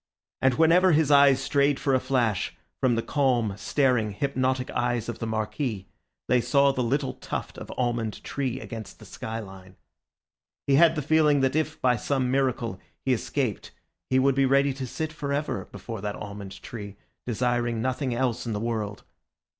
And whenever his eyes strayed for a flash from the calm, staring, hypnotic eyes of the Marquis, they saw the little tuft of almond tree against the sky line. He had the feeling that if by some miracle he escaped he would be ready to sit for ever before that almond tree, desiring nothing else in the world.